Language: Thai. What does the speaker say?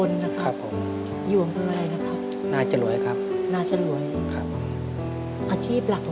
สวัสดีครับพ่อ